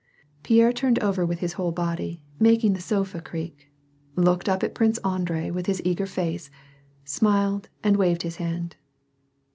Pierre turned over with his whole body, making the sofa creak, looked up at Prince Andrei with his eager face, smiled and waved his hand.